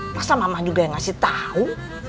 masa mamah juga yang ngasih tau